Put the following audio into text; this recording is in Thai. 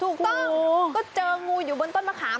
ถูกต้องก็เจองูอยู่บนต้นมะขาม